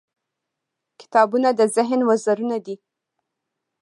• کتابونه د ذهن وزرونه دي.